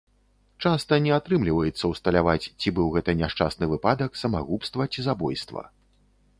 Часта не атрымліваецца ўсталяваць, ці быў гэта няшчасны выпадак, самагубства ці забойства.